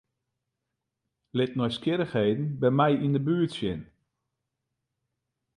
Lit nijsgjirrichheden by my yn 'e buert sjen.